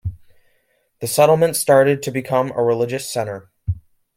The settlement started to become a religious centre.